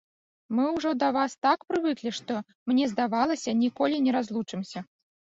Мы ўжо да вас так прывыклі, што мне здавалася, ніколі не разлучымся.